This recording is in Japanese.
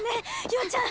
陽ちゃん！